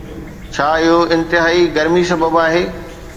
ڇا اهو انتهائي گرمي سبب آهي.